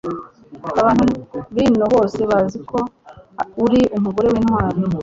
abantu b'ino bose bazi ko uri umugore w'intwari